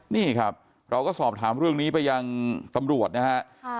นี่ครับเราก็สอบถามเรื่องนี้ไปยังตำรวจนะฮะ